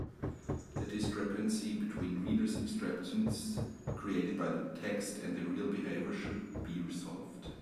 The discrepancy between reader’s expectations created by the text and the real behaviour should be resolved.